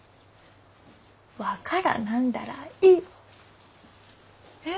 分からなんだらええ。